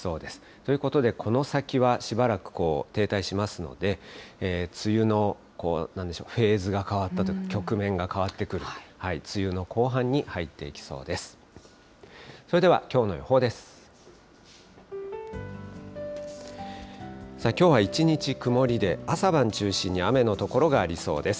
ということでこの先はしばらく停滞しますので、梅雨のフェーズが変わったというか、局面が変わってくると、梅雨の後半に入っていきそうです。